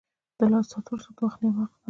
• د لاس ساعت د وخت نغمه ده.